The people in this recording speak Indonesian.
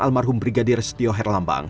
almarhum brigadir setio herlambang